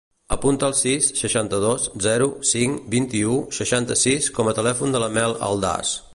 Apunta el sis, seixanta-dos, zero, cinc, vint-i-u, seixanta-sis com a telèfon de la Mel Aldaz.